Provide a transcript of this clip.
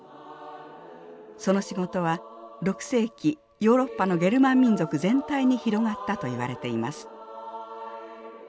その仕事は６世紀ヨーロッパのゲルマン民族全体に広がったといわれています。